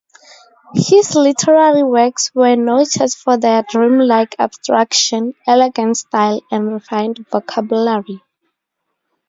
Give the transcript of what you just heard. His literary works were noted for their dreamlike abstraction, elegant style and refined vocabulary.